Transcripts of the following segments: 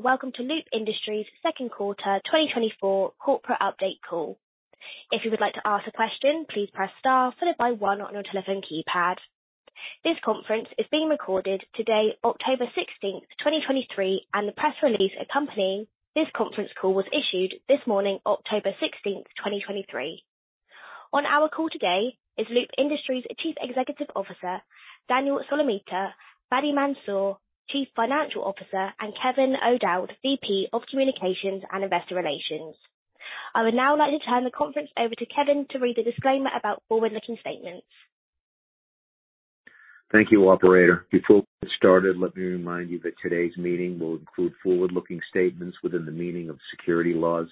Welcome to Loop Industries' second quarter 2024 corporate update call. If you would like to ask a question, please press star followed by one on your telephone keypad. This conference is being recorded today, October 16, 2023, and the press release accompanying this conference call was issued this morning, October 16, 2023. On our call today is Loop Industries' Chief Executive Officer, Daniel Solomita, Fady Mansour, Chief Financial Officer, and Kevin O'Dowd, VP of Communications and Investor Relations. I would now like to turn the conference over to Kevin to read the disclaimer about forward-looking statements. Thank you, operator. Before we get started, let me remind you that today's meeting will include forward-looking statements within the meaning of securities laws.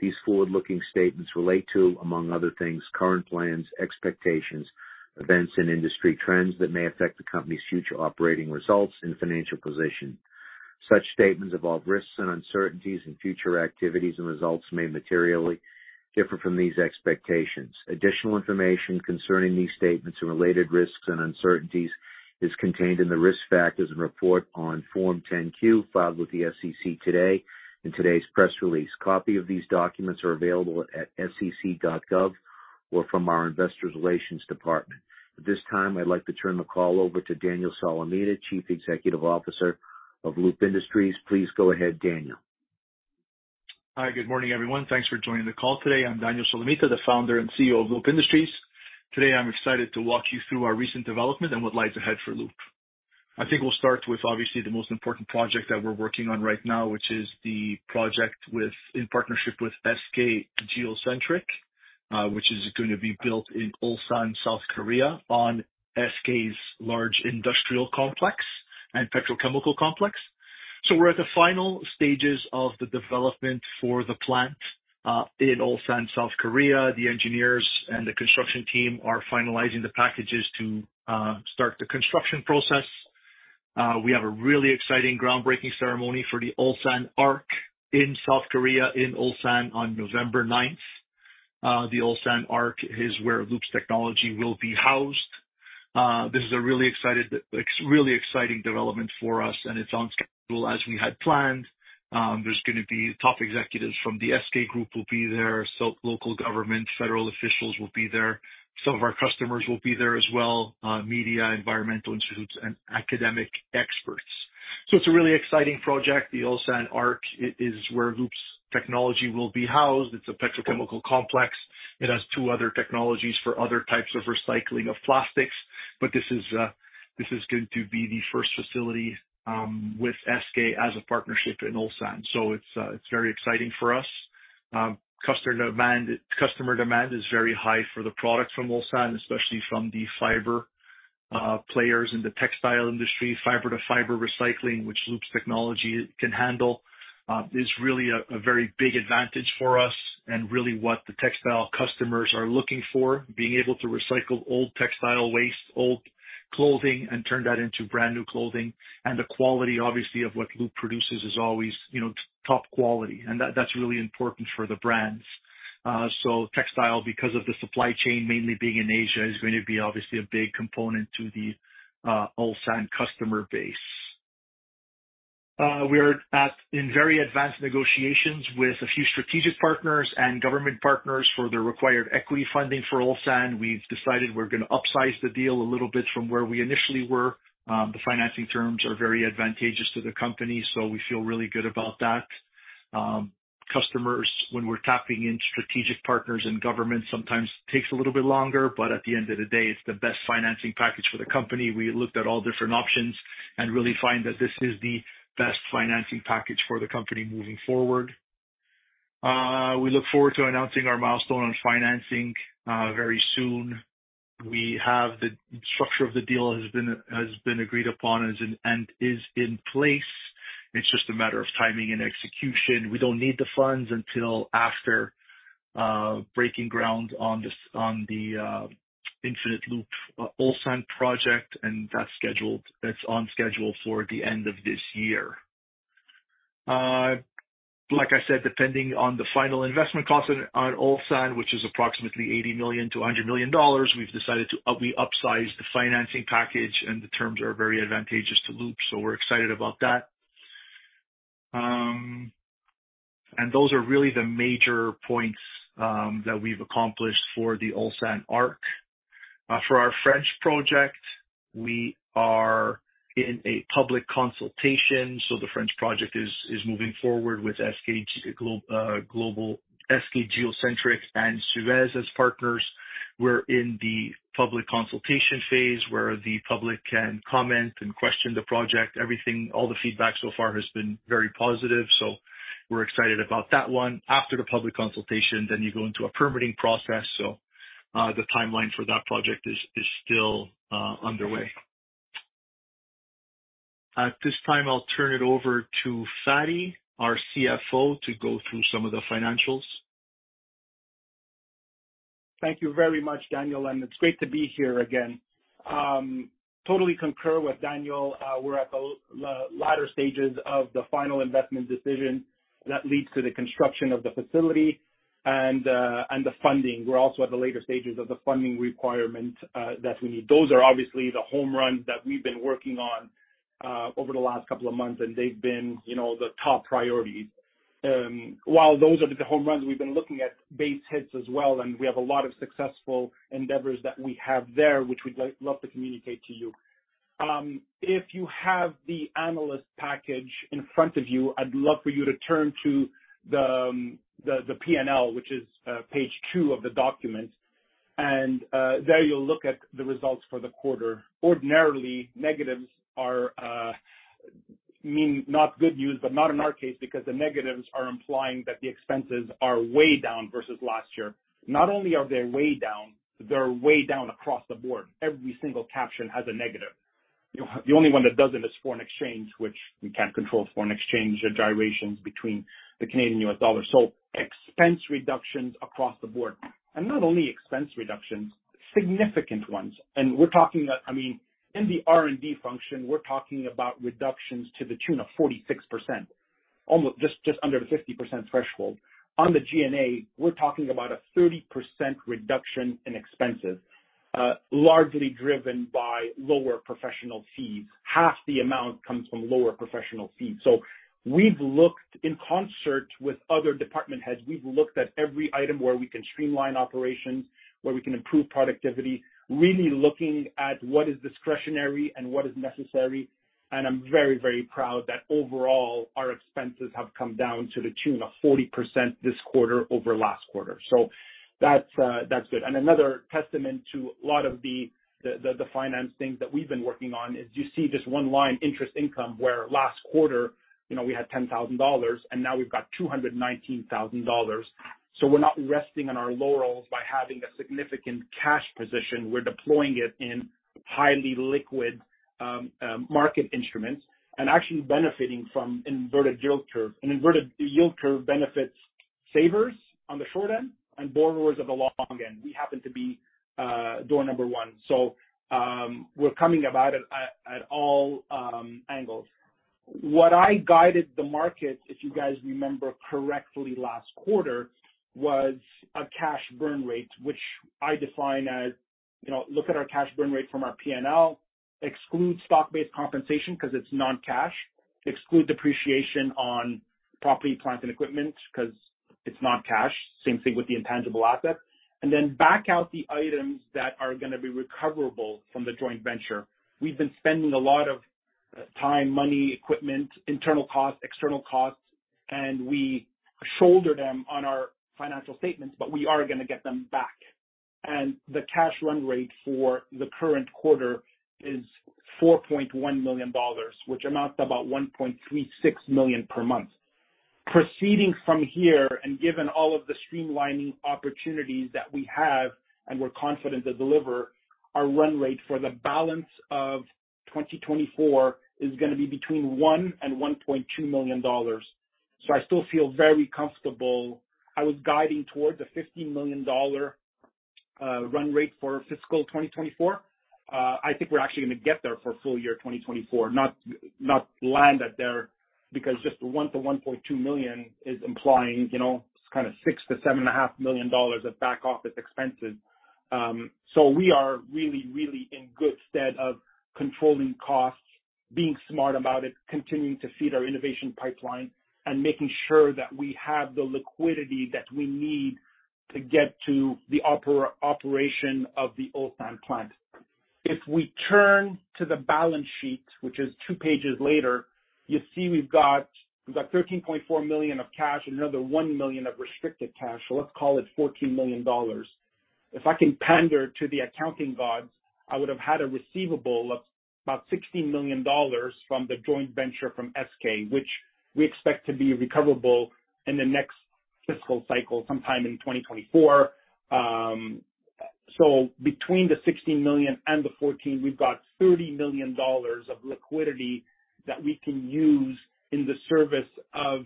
These forward-looking statements relate to, among other things, current plans, expectations, events and industry trends that may affect the company's future operating results and financial position. Such statements involve risks and uncertainties, and future activities and results may materially differ from these expectations. Additional information concerning these statements and related risks and uncertainties is contained in the risk factors and report on Form 10-Q, filed with the SEC today, and today's press release. Copies of these documents are available at sec.gov or from our investor relations department. At this time, I'd like to turn the call over to Daniel Solomita, Chief Executive Officer of Loop Industries. Please go ahead, Daniel. Hi, good morning, everyone. Thanks for joining the call today. I'm Daniel Solomita, the founder and CEO of Loop Industries. Today, I'm excited to walk you through our recent development and what lies ahead for Loop. I think we'll start with obviously the most important project that we're working on right now, which is the project in partnership with SK Geo Centric, which is going to be built in Ulsan, South Korea, on SK's large industrial complex and petrochemical complex. So we're at the final stages of the development for the plant in Ulsan, South Korea. The engineers and the construction team are finalizing the packages to start the construction process. We have a really exciting groundbreaking ceremony for the Ulsan ARC in South Korea in Ulsan on November 9th. The Ulsan ARC is where Loop's technology will be housed. This is a really exciting development for us, and it's on schedule as we had planned. There's going to be top executives from the SK Group will be there, so local government, federal officials will be there. Some of our customers will be there as well, media, environmental institutes and academic experts. So it's a really exciting project. The Ulsan ARC is where Loop's technology will be housed. It's a petrochemical complex. It has two other technologies for other types of recycling of plastics, but this is going to be the first facility with SK as a partnership in Ulsan. So it's very exciting for us. Customer demand, customer demand is very high for the products from Ulsan, especially from the fiber players in the textile industry. Fiber-to-fiber recycling, which Loop's technology can handle, is really a very big advantage for us and really what the textile customers are looking for, being able to recycle old textile waste, old clothing, and turn that into brand-new clothing. And the quality, obviously, of what Loop produces is always, you know, top quality, and that's really important for the brands. So textile, because of the supply chain, mainly being in Asia, is going to be obviously a big component to the Ulsan customer base. We are in very advanced negotiations with a few strategic partners and government partners for the required equity funding for Ulsan. We've decided we're going to upsize the deal a little bit from where we initially were. The financing terms are very advantageous to the company, so we feel really good about that. Customers, when we're tapping in strategic partners and government, sometimes takes a little bit longer, but at the end of the day, it's the best financing package for the company. We looked at all different options and really find that this is the best financing package for the company moving forward. We look forward to announcing our milestone on financing very soon. We have the structure of the deal has been agreed upon and is in place. It's just a matter of timing and execution. We don't need the funds until after breaking ground on the Infinite Loop Ulsan project, and that's on schedule for the end of this year. Like I said, depending on the final investment costs on Ulsan, which is approximately $80 million-$100 million, we've decided to upsize the financing package, and the terms are very advantageous to Loop, so we're excited about that. And those are really the major points that we've accomplished for the Ulsan ARC. For our French project, we are in a public consultation, so the French project is moving forward with SK Geo Centric and SUEZ as partners. We're in the public consultation phase, where the public can comment and question the project. Everything, all the feedback so far has been very positive, so we're excited about that one. After the public consultation, then you go into a permitting process. So, the timeline for that project is still underway. At this time, I'll turn it over to Fady, our CFO, to go through some of the financials. Thank you very much, Daniel, and it's great to be here again. Totally concur with Daniel. We're at the latter stages of the final investment decision that leads to the construction of the facility. ... and the funding. We're also at the later stages of the funding requirement that we need. Those are obviously the home runs that we've been working on over the last couple of months, and they've been, you know, the top priority. While those are the home runs, we've been looking at base hits as well, and we have a lot of successful endeavors that we have there, which we'd love to communicate to you. If you have the analyst package in front of you, I'd love for you to turn to the P&L, which is page 2 of the document. There you'll look at the results for the quarter. Ordinarily, negatives are mean, not good news, but not in our case, because the negatives are implying that the expenses are way down versus last year. Not only are they way down, they're way down across the board. Every single caption has a negative. You know, the only one that doesn't is foreign exchange, which we can't control foreign exchange, the gyrations between the Canadian and US dollar. So expense reductions across the board. And not only expense reductions, significant ones. And we're talking, I mean, in the R&D function, we're talking about reductions to the tune of 46%, almost... Just, just under the 50% threshold. On the G&A, we're talking about a 30% reduction in expenses, largely driven by lower professional fees. Half the amount comes from lower professional fees. So we've looked in concert with other department heads, we've looked at every item where we can streamline operations, where we can improve productivity, really looking at what is discretionary and what is necessary. I'm very, very proud that overall, our expenses have come down to the tune of 40% this quarter over last quarter. So that's good. And another testament to a lot of the finance things that we've been working on is, you see this one line, interest income, where last quarter, you know, we had $10,000, and now we've got $219,000. So we're not resting on our laurels by having a significant cash position. We're deploying it in highly liquid market instruments and actually benefiting from inverted yield curve. An inverted yield curve benefits savers on the short end and borrowers on the long end. We happen to be door number one, so we're coming about it at all angles. What I guided the market, if you guys remember correctly last quarter, was a cash burn rate, which I define as, you know, look at our cash burn rate from our P&L. Exclude stock-based compensation because it's non-cash. Exclude depreciation on property, plant, and equipment because it's not cash. Same thing with the intangible assets. And then back out the items that are gonna be recoverable from the joint venture. We've been spending a lot of time, money, equipment, internal costs, external costs, and we shoulder them on our financial statements, but we are gonna get them back. And the cash run rate for the current quarter is $4.1 million, which amounts to about $1.36 million per month. Proceeding from here, and given all of the streamlining opportunities that we have and we're confident to deliver, our run rate for the balance of 2024 is gonna be between $1 million and $1.2 million. So I still feel very comfortable. I was guiding towards a $50 million run rate for fiscal 2024. I think we're actually gonna get there for full year 2024, not, not land at there, because just the $1 million-$1.2 million is implying, you know, kind of $6 million-$7.5 million of back office expenses. So we are really, really in good stead of controlling costs, being smart about it, continuing to feed our innovation pipeline, and making sure that we have the liquidity that we need to get to the operation of the Ulsan plant. If we turn to the balance sheet, which is two pages later, you see we've got, we've got $13.4 million of cash and another $1 million of restricted cash, so let's call it $14 million. If I can pander to the accounting gods, I would have had a receivable of about $16 million from the joint venture from SK, which we expect to be recoverable in the next fiscal cycle, sometime in 2024. So between the sixteen million and the fourteen, we've got $30 million of liquidity that we can use in the service of,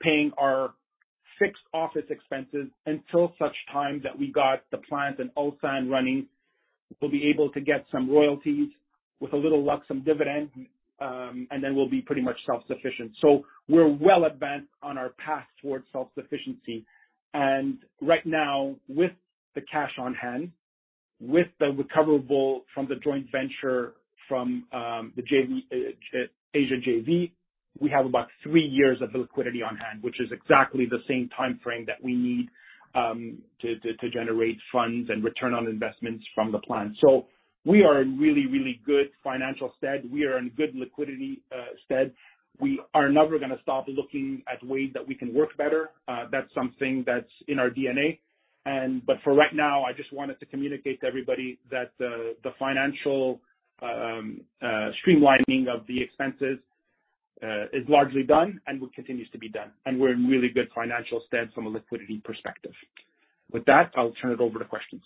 paying our fixed office expenses until such time that we got the plant in Ulsan running, we'll be able to get some royalties, with a little luck, some dividend, and then we'll be pretty much self-sufficient. So we're well advanced on our path towards self-sufficiency. And right now, with the cash on hand, with the recoverable from the joint venture, from the JV, Asia JV, we have about three years of liquidity on hand, which is exactly the same timeframe that we need to generate funds and return on investments from the plant. So we are in really, really good financial stead. We are in good liquidity stead. We are never gonna stop looking at ways that we can work better. That's something that's in our DNA. And, but for right now, I just wanted to communicate to everybody that the financial streamlining of the expenses is largely done and will continues to be done, and we're in really good financial stead from a liquidity perspective. With that, I'll turn it over to questions.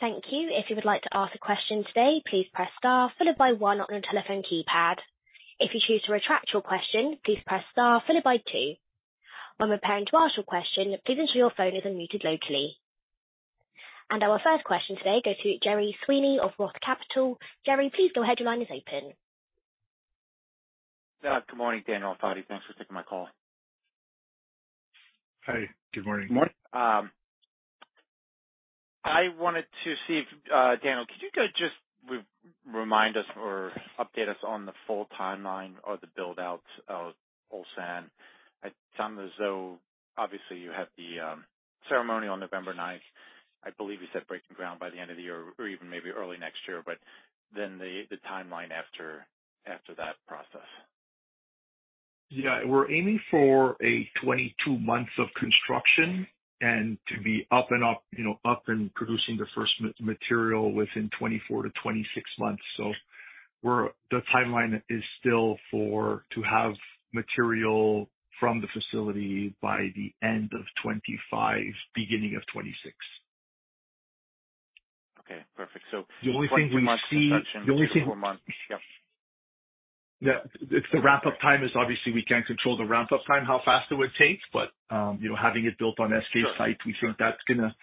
Thank you. If you would like to ask a question today, please press star followed by one on your telephone keypad. If you choose to retract your question, please press star followed by two. When preparing to ask your question, please ensure your phone is unmuted locally. ... Our first question today goes to Gerry Sweeney of Roth Capital. Gerry, please go ahead. Your line is open. Good morning, Daniel Solomita. Thanks for taking my call. Hi. Good morning. Good morning. I wanted to see if, Daniel, could you guys just remind us or update us on the full timeline or the build-out of Ulsan? It sounds as though obviously you have the ceremony on November 9th. I believe you said breaking ground by the end of the year or even maybe early next year, but then the timeline after that process. Yeah, we're aiming for 22 months of construction and to be up and up, you know, up and producing the first material within 24-26 months. So we're... The timeline is still for, to have material from the facility by the end of 2025, beginning of 2026. Okay, perfect. So- The only thing we see- 22 months, construction, 24 months. Yep. Yeah. It's the ramp-up time is obviously we can't control the ramp-up time, how fast it would take, but, you know, having it built on SK site- Sure. We feel that's gonna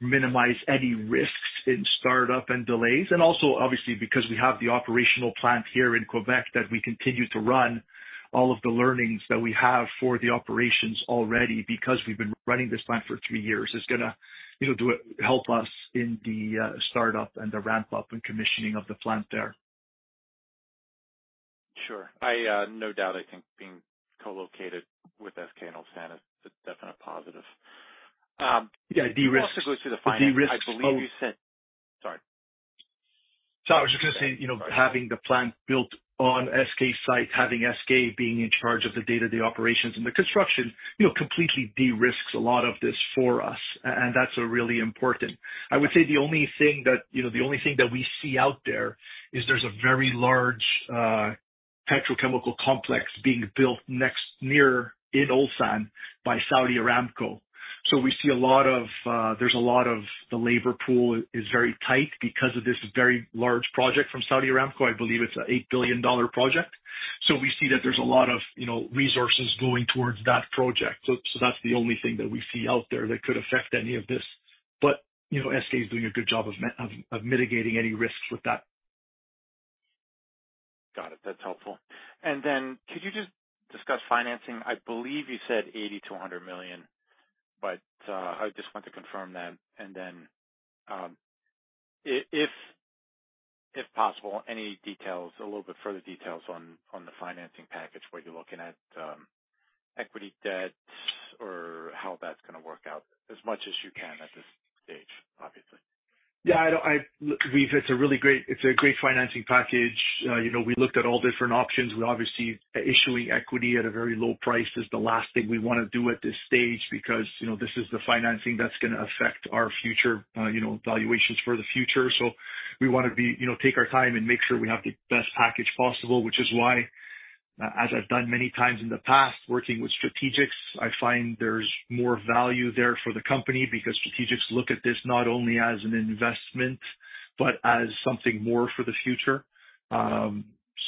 minimize any risks in startup and delays. And also, obviously, because we have the operational plant here in Quebec, that we continue to run all of the learnings that we have for the operations already, because we've been running this plant for three years, is gonna, you know, help us in the startup and the ramp-up and commissioning of the plant there. Sure. I no doubt I think being co-located with SK and Ulsan is a definite positive. Yeah, de-risk- I want to go through the financing. The de-risk- I believe you said... Sorry. Sorry. I was just gonna say, you know, having the plant built on SK site, having SK being in charge of the day-to-day operations and the construction, you know, completely de-risks a lot of this for us, and that's really important. I would say the only thing that, you know, we see out there is there's a very large, petrochemical complex being built next, near in Ulsan by Saudi Aramco. So we see a lot of, there's a lot of the labor pool is very tight because of this very large project from Saudi Aramco. I believe it's an $8 billion project. So we see that there's a lot of, you know, resources going towards that project. So that's the only thing that we see out there that could affect any of this. But, you know, SK is doing a good job of mitigating any risks with that. Got it. That's helpful. And then could you just discuss financing? I believe you said $80 million-$100 million, but I just want to confirm that. And then, if possible, any details, a little bit further details on the financing package, where you're looking at equity debt or how that's gonna work out? As much as you can at this stage, obviously. It's a really great, it's a great financing package. You know, we looked at all different options. We obviously, issuing equity at a very low price is the last thing we wanna do at this stage, because, you know, this is the financing that's gonna affect our future, you know, valuations for the future. So we want to, you know, take our time and make sure we have the best package possible. Which is why, as I've done many times in the past, working with strategics, I find there's more value there for the company, because strategics look at this not only as an investment, but as something more for the future.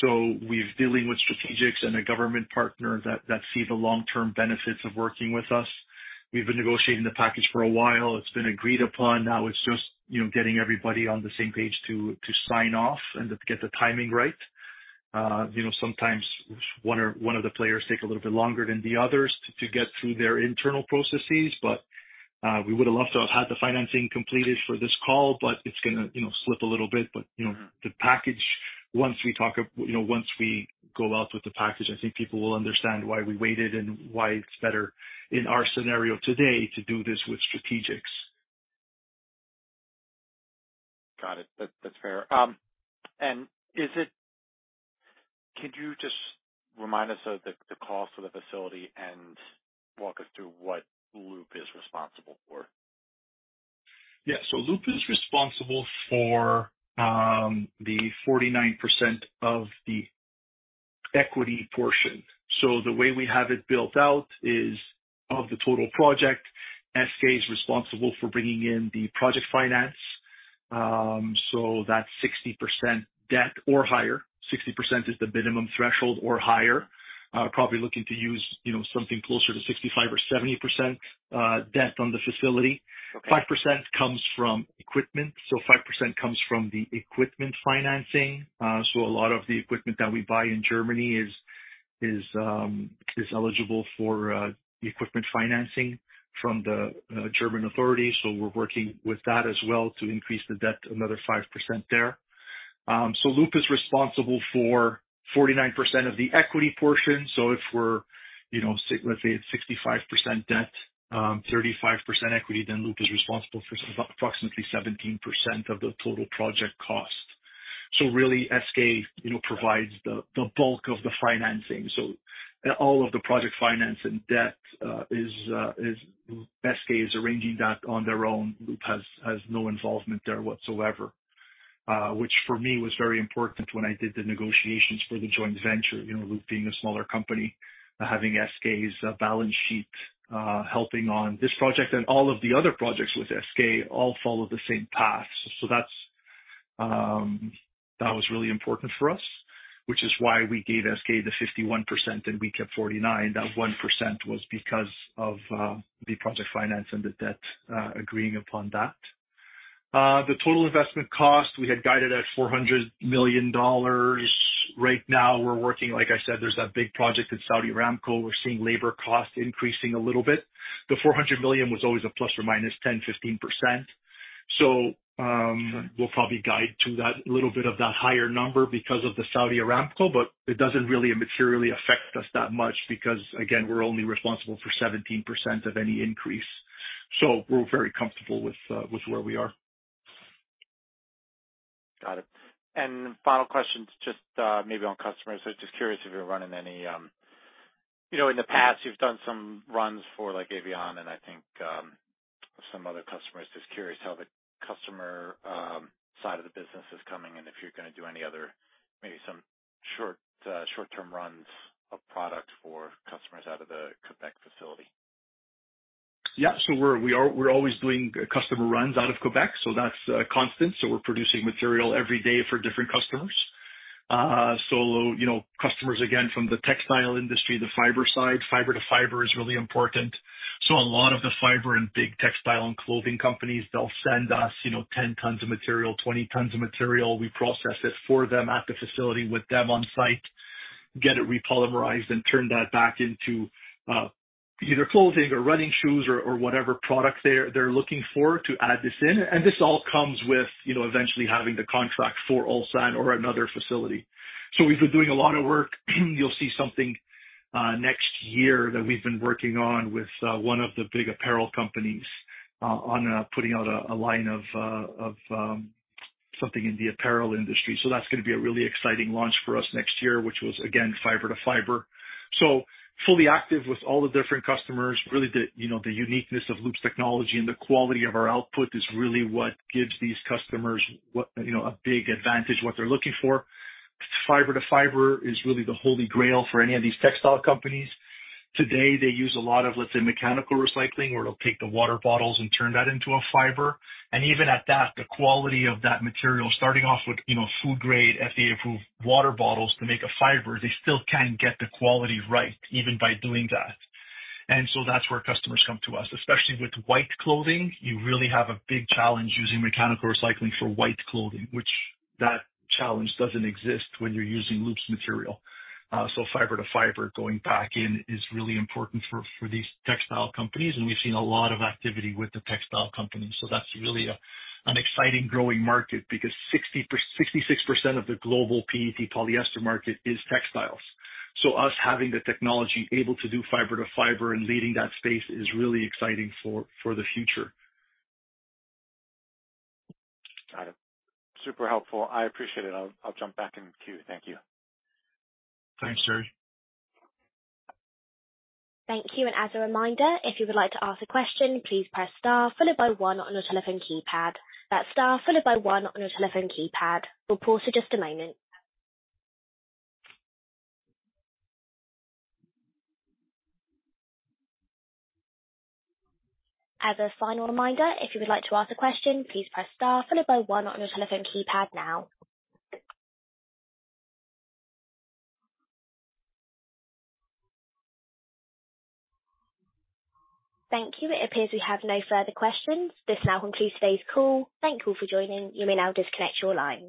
So we're dealing with strategics and a government partner that, that see the long-term benefits of working with us. We've been negotiating the package for a while. It's been agreed upon. Now it's just, you know, getting everybody on the same page to sign off and to get the timing right. You know, sometimes one of the players take a little bit longer than the others to get through their internal processes, but we would have loved to have had the financing completed for this call, but it's gonna, you know, slip a little bit. Mm-hmm. But, you know, the package, once we talk, you know, once we go out with the package, I think people will understand why we waited and why it's better in our scenario today to do this with strategics. Got it. That, that's fair. And is it... Could you just remind us of the cost of the facility and walk us through what Loop is responsible for? Yeah. So Loop is responsible for the 49% of the equity portion. So the way we have it built out is, of the total project, SK is responsible for bringing in the project finance. So that's 60% debt or higher. 60% is the minimum threshold or higher. Probably looking to use, you know, something closer to 65% or 70%, debt on the facility. Okay. 5% comes from equipment, so 5% comes from the equipment financing. So a lot of the equipment that we buy in Germany is eligible for the equipment financing from the German authorities. So we're working with that as well to increase the debt another 5% there. So Loop is responsible for 49% of the equity portion. So if we're, you know, let's say it's 65% debt, 35% equity, then Loop is responsible for approximately 17% of the total project cost. So really, SK, you know, provides the bulk of the financing. So all of the project finance and debt is SK is arranging that on their own. Loop has no involvement there whatsoever. Which, for me, was very important when I did the negotiations for the joint venture. You know, Loop being a smaller company, having SK's balance sheet helping on this project and all of the other projects with SK all follow the same path. So that was really important for us, which is why we gave SK the 51%, and we kept 49%. That 1% was because of the project finance and the debt agreeing upon that. The total investment cost we had guided at $400 million. Right now, we're working—like I said, there's that big project at Saudi Aramco. We're seeing labor costs increasing a little bit. The $400 million was always a ±10%-15%. So, we'll probably guide to that little bit of that higher number because of the Saudi Aramco, but it doesn't really materially affect us that much because, again, we're only responsible for 17% of any increase. So we're very comfortable with where we are. Got it. And final question, just, maybe on customers. So just curious if you're running any... You know, in the past, you've done some runs for, like, Evian and I think, some other customers. Just curious how the customer side of the business is coming in, and if you're gonna do any other, maybe some short, short-term runs of product for customers out of the Quebec facility. Yeah. So we're always doing customer runs out of Quebec, so that's constant. So we're producing material every day for different customers. So, you know, customers, again, from the textile industry, the fiber side. Fiber-to-fiber is really important. So a lot of the fiber and big textile and clothing companies, they'll send us, you know, 10 tons of material, 20 tons of material. We process it for them at the facility with them on site, get it repolymerized, and turn that back into either clothing or running shoes or whatever product they're looking for to add this in. And this all comes with, you know, eventually having the contract for Ulsan or another facility. So we've been doing a lot of work. You'll see something next year that we've been working on with one of the big apparel companies on putting out a line of something in the apparel industry. So that's gonna be a really exciting launch for us next year, which was, again, fiber-to-fiber. So fully active with all the different customers. Really, the, you know, the uniqueness of Loop's technology and the quality of our output is really what gives these customers what, you know, a big advantage, what they're looking for. Fiber-to-fiber is really the holy grail for any of these textile companies. Today, they use a lot of, let's say, mechanical recycling, where they'll take the water bottles and turn that into a fiber. And even at that, the quality of that material, starting off with, you know, food-grade, FDA-approved water bottles to make a fiber, they still can't get the quality right, even by doing that. And so that's where customers come to us. Especially with white clothing, you really have a big challenge using mechanical recycling for white clothing, which that challenge doesn't exist when you're using Loop's material. So fiber-to-fiber going back in is really important for, for these textile companies, and we've seen a lot of activity with the textile companies. So that's really a, an exciting growing market because 66% of the global PET polyester market is textiles. So us having the technology able to do fiber-to-fiber and leading that space is really exciting for, for the future. Got it. Super helpful. I appreciate it. I'll jump back in the queue. Thank you. Thanks, Gerry. Thank you. And as a reminder, if you would like to ask a question, please press star followed by one on your telephone keypad. That's star followed by one on your telephone keypad. We'll pause for just a moment. As a final reminder, if you would like to ask a question, please press star followed by one on your telephone keypad now. Thank you. It appears we have no further questions. This now concludes today's call. Thank you all for joining. You may now disconnect your line.